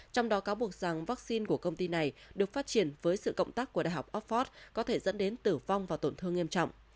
trong đó cáo buộc rằng vaccine của công ty này được phát triển với sự cộng tác của đại học oxford có thể dẫn đến tử vong và tổn thương nghiêm trọng